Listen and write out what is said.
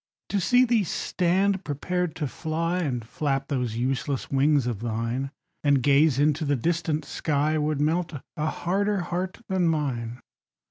To see thee stand prepared to fly, And flap those useless wings of thine, And gaze into the distant sky, Would melt a harder heart than mine.